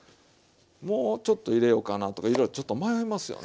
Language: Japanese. もうちょっと入れようかなとかいろいろちょっと迷いますよね。